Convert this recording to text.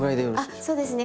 あっそうですね。